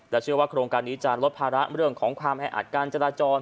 เชื่อว่าโครงการนี้จะลดภาระเรื่องของความแออัดการจราจร